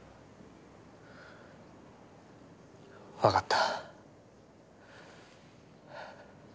わかった。